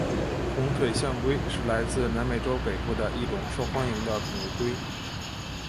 红腿象龟是来自南美洲北部的一种受欢迎的宠物龟。